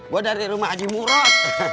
gue dari rumah haji murod